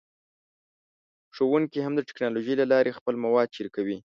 ښوونکي هم د ټیکنالوژۍ له لارې خپل مواد شریکوي.